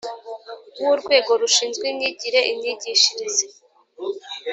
W urwego rushinzwe imyigire imyigishirize